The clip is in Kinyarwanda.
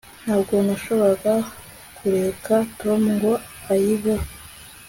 ntabwo nashoboraga kureka tom ngo ayiveho